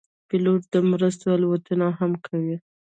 پیلوټ د مرستو الوتنې هم کوي.